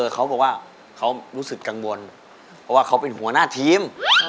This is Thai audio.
เขาบอกว่าเขารู้สึกกังวลเพราะว่าเขาเป็นหัวหน้าทีม